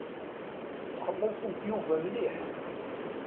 Ttxelliṣent Yuba mliḥ.